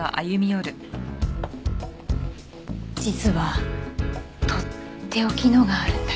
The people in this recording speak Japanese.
実はとっておきのがあるんだけど。